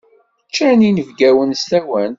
Ččan yinebgawen s tawant.